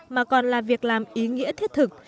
mà còn là việc làm ý nghĩa thiết thực